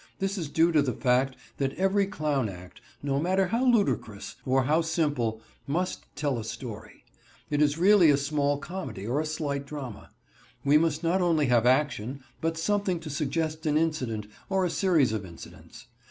This is due to the fact that every clown act, no matter how ludicrous, or how simple, must tell a story. It is really a small comedy or a slight drama. We must not only have action, but something to suggest an incident or a series of incidents.